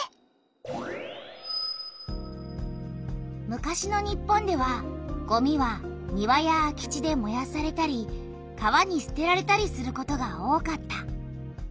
昔の日本ではごみは庭や空き地でもやされたり川にすてられたりすることが多かった。